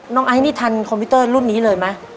น้องไอ้นี่ทันคอมพิวเตอร์รุ่นนี้เลยมั้ย